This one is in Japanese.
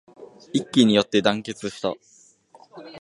一揆によって団結した